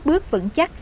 tiếp bước vững chắc